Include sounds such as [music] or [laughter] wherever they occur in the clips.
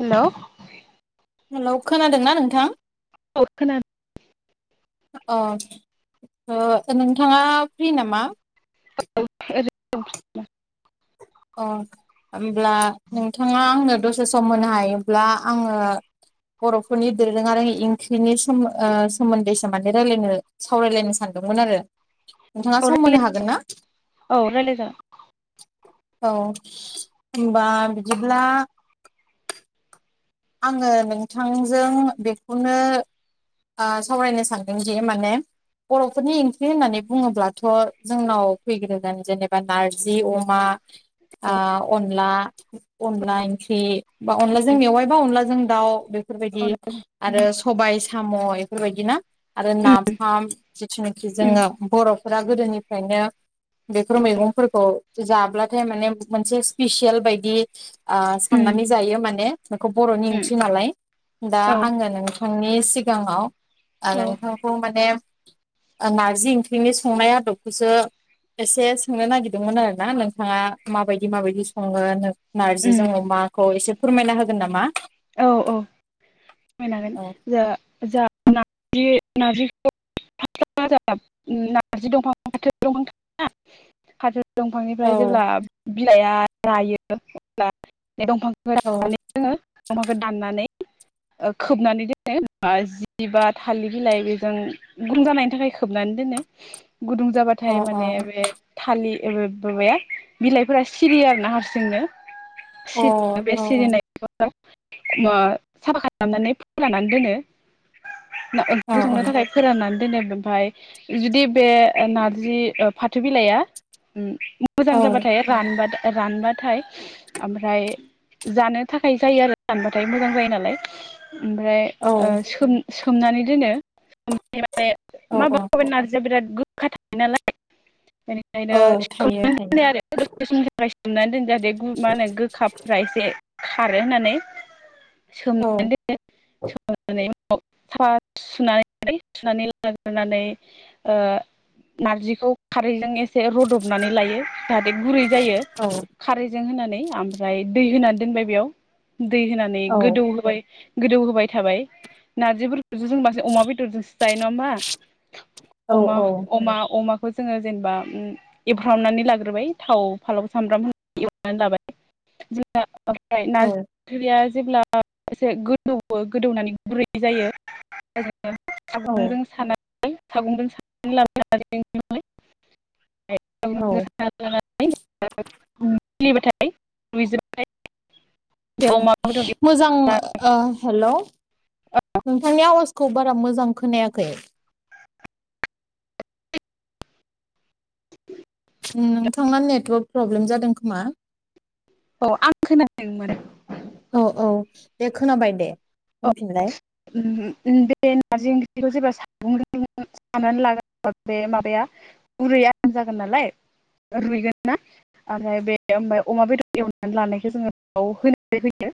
Hello hello खोनादोंना नोंथां? अ [unintelligible] अ ओ नोंथाङा फ्रि नामा? औ [unintelligible] अ होमब्ला नोंथाङा आंनो दसे सम होनो हायोब्ला आंङो बर'फोरनि दोरोङारि ओंख्रिनि सोम ओ सोमोन्दैसो माने रायलायनो सावरायलायनो सान दोंमोन आरो नोंथांङा औ सम होनो रायलाय हागोन ना? औ रायलाय जागोन औ होनबा बिदिब्ला आंङो नोंथांजों बेखौनो ओ सावरायनो सानदोंदि माने बर'फोरनि ओंख्रि होननानै बुङोब्लाथ' जोंनाव फैग्रोगोन जेनेबा नारजि अमा औ ओ अनला अनला ओंख्रि बा अनलाजों मेवाय [unintelligible] अनलाजों दाव बे फोरबायदि औ आरो सबाय साम' इफोरबायदि ना आरो नाफाम जिथुनाखि जोंङो बर'फोरा गोदोनिफ्रायनो बेफोर मैगंफोरखौ जा ब्लाथाय माने मोनसे स्पिसियेल बायदि साननानै जायो माने बेखौ बर'नि ओंख्रि नालाय दा आंङो नोंथांनि सिगांङाव आरो नोंथांखौ माने ओ नारजि ओंख्रिनि संनाय आदबखौसो एसे सोंनो नागिरदोंमोन आरो ना नोंथाङा माबायदि माबायदि सङो नों नार्जिजों अमाखौ एसे फोरमायना होगोन नामा औ औ फोरमायनो हागोन औ जा जा‌ ना जि नारजिखौ [inaudible] नारजि दंफां फाथो दंफां [inaudible] हाजो औ दंफांनिफ्राय जेब्ला बिलाइआ रायो अब्ला बे दंफां औ रानानै जोङो दंफांखौ दाननानै ओ खोबनानै दोनो ओ जि बा थालिर बिलाइजों गुदुं जानायनि थाखाय खोबनानै दोनो गुदुं अ जाबाथाय माने बे थालि ओ माबाया बिलाइफोरा सिरियो आरो ना हारसिंनो अ औ सिरियो बे औ सिरिनायखौ ओ साफा खालामनानै फोराननानै दोनो ना औ ओंख्रि संनो थाखाय फोराननानै दोनो ओमफाय जुदि बे नारजि ओ फाथो बिलाइया उम मोजां जाबाथाय रानबा रानबाथाय ओमफ्राय जानो थाखाय जायो आरो रानबाथाय मोजां जायो नालाय ओमफ्राय औ ओ सोम सोमनानै दोनो माने औ औ माबाखौ नार्जिआ बिराद गोखा थायो नालाय बेनिखायनो औ थायो सोमनानै थायो दोनो आरो दसे समनि थाखाय सोमनानै दोनो जाहाथे मा होनो गोखाफ्रा एसे खारो होननानै औ सोमनानै दोनो सोमनानै उनाव साफा सुनानै रै सुनानै लाग्रोनानै ओ नारजिखौ खारैजों ए से रुदबनानै लायो जाहाथे गुरै जायो औ खारैजों होनानै ओमफ्राय दै होनानै दोनबाय बेयाव दै होनानै औ गोदौ होबाय गोदौ होबाय थाबाय नारजिफोरखौथ' जों बांसिन अमा बेदरजोंसो जायो नङा होमबा अमा- औ अमा - अमा खौ जोङो जेनेबा उम एवफ्रामनानै लाग्रोबाय थाव फालौ सामब्राम होननानै एवनानै लाबाय जोंहा ओमफ्राय नारजि औ ओंख्रिया जेब्ला एसे गोदौवो गोदौनानै गुरै जायो औ सागंजों सानानै सागंजों सानानै [unintelligible] औ [unintelligible] [unintelligible] रुयजोबाथाय मोजां ओ हेलौ नोंथांनि आवास खौ बारा मोजां खोनायाखै नोंथांना नेटवर्क प्रब्लेम जादों खोमा औ आं खोनादोंमोन। औ औ दे खोनाबाय दे औ बुंफिनलाय। बे नारजि ओंख्रिखौ जेब्ला सगंजों सानानै लाग्रा बे माबाया गुरै आराम जागोन नालाय रुइगोन ना ओमफ्राय बे ओमफ्राय अमा बेदर एवनानै लानायखौ जोङो बेयाव होनाय जायो।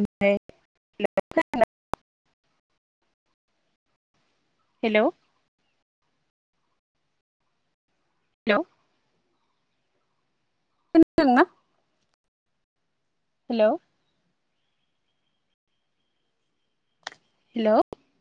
ओमफ्राय [unintelligible] [unintelligible] हेलौ हेलौ खोनादोंना हेलौ हेलौ